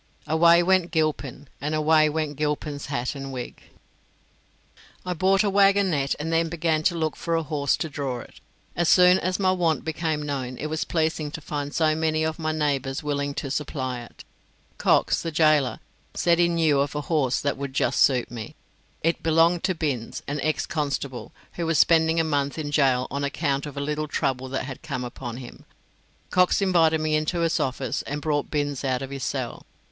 "Away went Gilpin, and away Went Gilpin's hat and wig." I bought a waggonette, and then began to look for a horse to draw it. As soon as my want became known it was pleasing to find so many of my neighbours willing to supply it. Cox, the gaoler, said he knew of a horse that would just suit me. It belonged to Binns, an ex constable, who was spending a month in gaol on account of a little trouble that had come upon him. Cox invited me into his office, and brought Binns out of his cell.